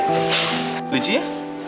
kuliah di sini ya lucu ya